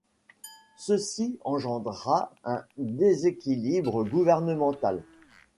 Ceci engendra un déséquilibre gouvernemental.